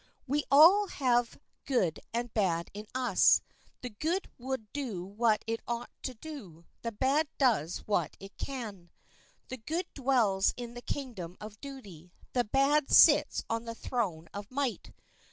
We all have good and bad in us. The good would do what it ought to do; the bad does what it can. The good dwells in the kingdom of duty; the bad sits on the throne of might.